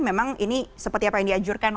memang ini seperti apa yang dianjurkan